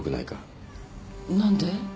何で？